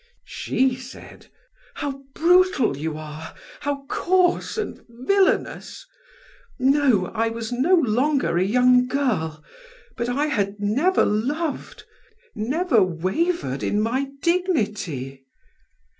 She said: "How brutal you are, how coarse and villainous! No, I was no longer a young girl, but I had never loved, never wavered in my dignity."